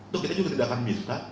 tuh kita juga tidak akan minta